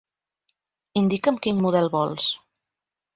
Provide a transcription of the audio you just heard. Indica'm quin model vols.